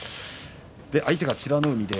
相手は美ノ海。